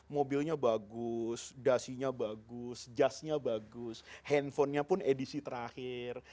mobilnya bagus dasinya bagus jasnya bagus handphonenya pun edisi terakhir